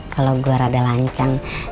kalau gue rada lancang